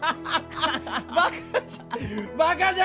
バカじゃ。